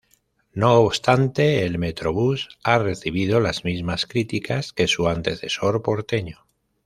No obstante el Metrobús ha recibido la mismas críticas que su antecesor porteño.